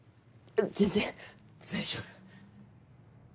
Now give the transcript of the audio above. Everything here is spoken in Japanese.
全然大丈夫。